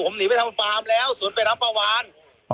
ผมหนีไปทำฟาร์มแล้วสวนไปทำปลาวาน